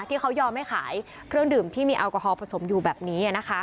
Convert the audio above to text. ที่เขายอมให้ขายเครื่องดื่มที่มีแอลกอฮอลผสมอยู่แบบนี้